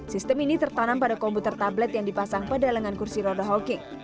sistem ini tertanam pada komputer tablet yang dipasang pada lengan kursi roda hawking